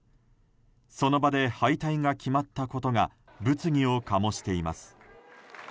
その場で敗退が決まったことが物議を醸しています。